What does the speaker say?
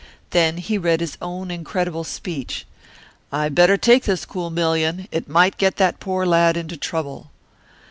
Then he read his own incredible speech "I better take this cool million. It might get that poor lad into trouble!"